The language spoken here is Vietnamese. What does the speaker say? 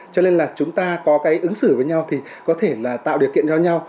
cho nên là chúng ta có cái ứng xử với nhau thì có thể là tạo điều kiện cho nhau